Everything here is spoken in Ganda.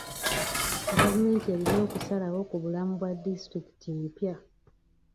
Gavumenti erina okusalawo ku bulamu bwa disitulikiti empya.